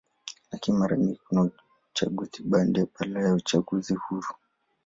Lakini mara nyingi kuna uchaguzi bandia badala ya uchaguzi huru.